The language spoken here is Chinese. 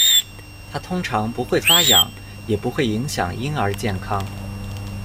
它通常不会发痒，也不会影响婴儿健康。